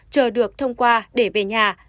chờ được thông qua để về nhà